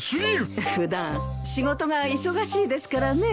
普段仕事が忙しいですからね。